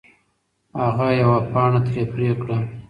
هغه یوه پاڼه ترې پرې کړه.